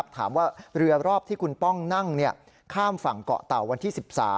ถามว่าเรือรอบที่คุณป้องนั่งข้ามฝั่งเกาะเต่าวันที่๑๓